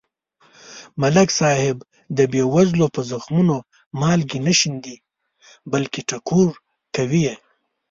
ملک صاحب د بې وزلو په زخمونو مالګې نه شیندي. بلکې ټکور کوي یې.